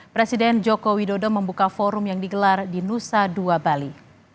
presiden joko widodo membuka forum yang digelar di nusa dua bali